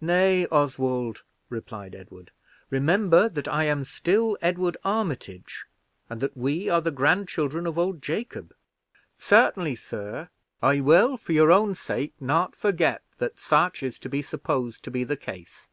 "Nay, Oswald," replied Edward, "remember that I am still Edward Armitage, and that we are the grandchildren of old Jacob." "Certainly, sir, I will, for your own sake, not forget that such is to be supposed to be the case.